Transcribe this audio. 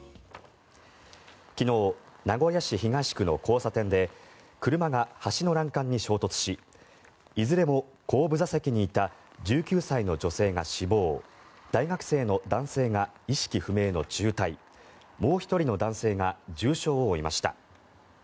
昨日、名古屋市東区の交差点で車が橋の欄干に衝突しいずれも後部座席にいた１９歳の女性が死亡大学生の男性が意識不明の重体もう１人の男性が重傷を負いました。